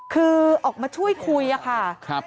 คือออกมาช่วยคุยค่ะ